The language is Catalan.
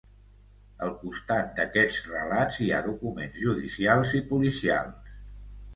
Al costat d'aquests relats hi ha documents judicials i policials.